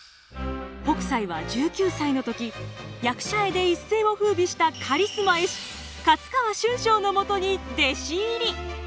北斎は１９歳の時役者絵で一世を風靡したカリスマ絵師勝川春章のもとに弟子入り！